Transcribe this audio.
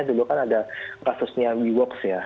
salah satu contohnya dulu kan ada kasusnya weworks ya